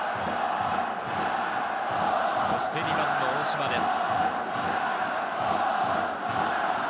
そして２番の大島です。